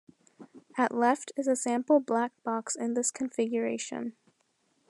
At left is a sample black box in this configuration.